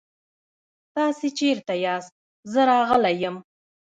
تاسې چيرته ياست؟ زه راغلی يم.